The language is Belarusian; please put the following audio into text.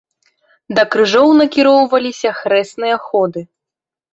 Да крыжоў накіроўваліся хрэсныя ходы.